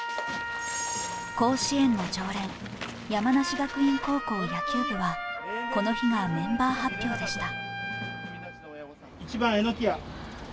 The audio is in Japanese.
甲子園の常連、山梨学院高校野球部はこの日がメンバー発表でした。